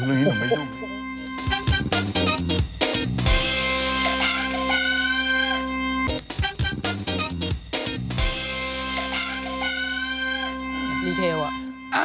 ดีเท่วะ